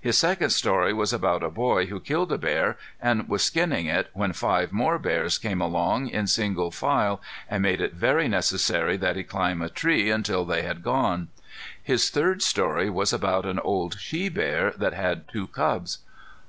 His second story was about a boy who killed a bear, and was skinning it when five more bears came along, in single file, and made it very necessary that he climb a tree until they had gone. His third story was about an old she bear that had two cubs.